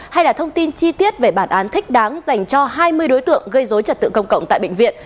hay là thông tin chi tiết về bản án thích đáng dành cho hai mươi đối tượng gây dối trật tự công cộng tại bệnh viện